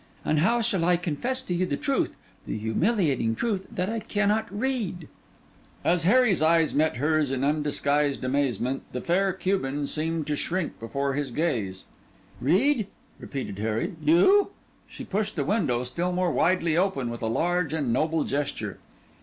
And how shall I confess to you the truth—the humiliating truth—that I cannot read?' As Harry's eyes met hers in undisguised amazement, the fair Cuban seemed to shrink before his gaze. 'Read?' repeated Harry. 'You!' She pushed the window still more widely open with a large and noble gesture.